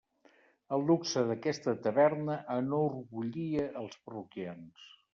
El luxe d'aquesta taverna enorgullia els parroquians.